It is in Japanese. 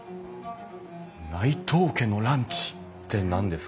「内藤家のランチ」って何ですか？